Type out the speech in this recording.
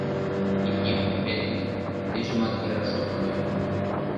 Имнем утарет гын, тыйжымат яраш ом кодо.